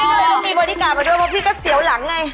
พี่ก็มีบอดิการ์มาด้วยเพราะพี่ก็เสียวหลังไง